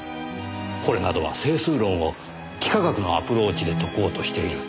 これなどは整数論を幾何学のアプローチで解こうとしている。